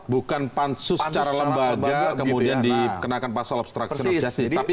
bukan pansus secara lembaga kemudian dikenakan pasal obstruction of justice